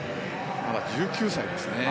まだ１９歳ですね。